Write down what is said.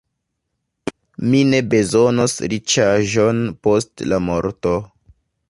Mi ne bezonos riĉaĵon post la morto.